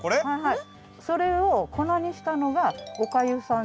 それを粉にしたのがおかゆさん。